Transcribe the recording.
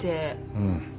うん。